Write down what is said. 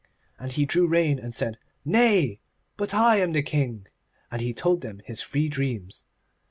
And he drew rein and said, 'Nay, but I am the King.' And he told them his three dreams.